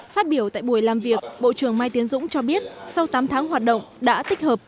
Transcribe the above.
phát biểu tại buổi làm việc bộ trưởng mai tiến dũng cho biết sau tám tháng hoạt động đã tích hợp